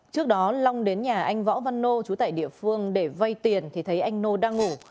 trước đó long đến nhà anh võ văn nô chú tại địa phương để vay tiền thì thấy anh nô đang ngủ